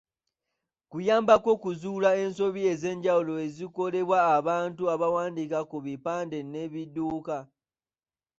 Kuyambako okuzuula ensobi ez’enjawulo ezikolebwa abantu abawandiika ku bipande ne ku bidduka.